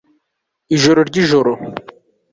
ijoro ryijoro